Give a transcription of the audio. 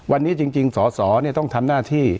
วันนี้จริงสสต้องทำหน้าที่